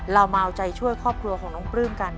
เรามาเอาใจช่วยครอบครัวของน้องปลื้มกัน